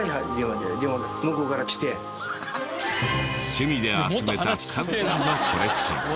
趣味で集めた数々のコレクション。